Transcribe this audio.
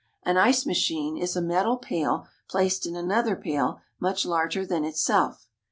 An ice machine is a metal pail placed in another pail much larger than itself.